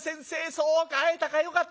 そうか会えたかよかった。